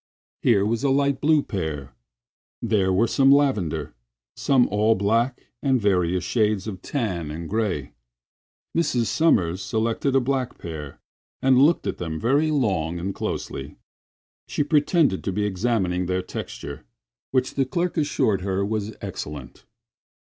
Here was a light blue pair; there were some lavender, some all black and various shades of tan and gray. Mrs. Sommers selected a black pair and looked at them very long and closely. She pretended to be examining their texture, which the clerk assured her was excellent.